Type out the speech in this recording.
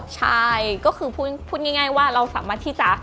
ใช่ก็คือพูดง่ายว่าเราสามารถที่จะ